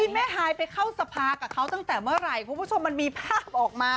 แม่ฮายไปเข้าสภากับเขาตั้งแต่เมื่อไหร่คุณผู้ชมมันมีภาพออกมา